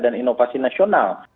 dan inovasi nasional